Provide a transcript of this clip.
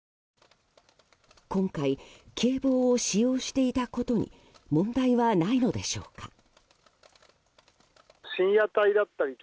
今回、警棒を使用していたことに問題はないのでしょうか？